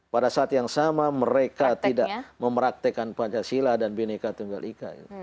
pada saat yang sama mereka tidak mempraktekan pancasila dan bineka tunggal ika